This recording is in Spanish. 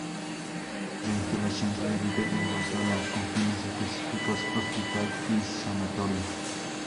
La instalación se divide en dos zonas con fines específicos: hospital y sanatorio.